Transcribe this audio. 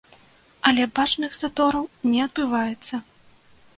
Але бачных затораў не адбываецца.